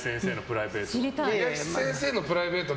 林先生のプライベート。